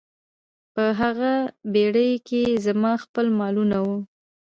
په هغه بیړۍ کې زما خپل مالونه وو.